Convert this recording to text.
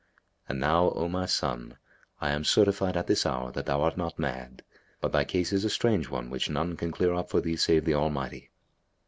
And now, O my son, I am certified at this hour that thou art not mad; but thy case is a strange one which none can clear up for thee save the Almighty."